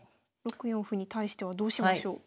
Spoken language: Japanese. ６四歩に対してはどうしましょう？